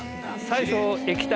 最初。